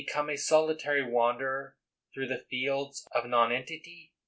112 CHALMERS a solitary wanderer through the fields of nonen tity?